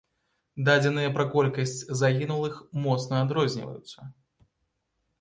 Дадзеныя пра колькасць загінулых моцна адрозніваюцца.